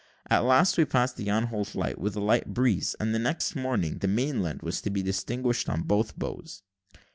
At last we passed the Anholt light, with a light breeze; and the next morning, the mainland was to be distinguished on both bows.